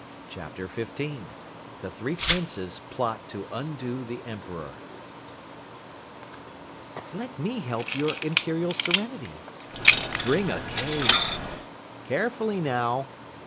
CHAPTER 15 THE THREE PRINCES PLOT TO UNDO THE EMPEROR "Let me help your Imperial Serenity!" "Bring a cane!" "Carefully, now!"